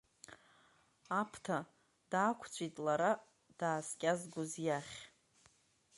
Аԥҭа, даақәҵәит лара дааскьазгоз иахь.